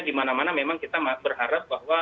dimana mana memang kita berharap bahwa